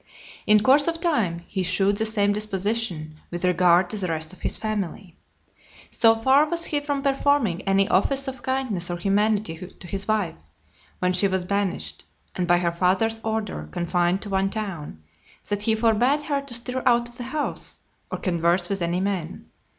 In course of time, he shewed the same disposition with regard to the rest of his family. So far was he from performing any office of kindness or humanity to his wife, when she was banished, and, by her father's order, confined to one town, that he forbad her to stir out of the house, or converse with any men.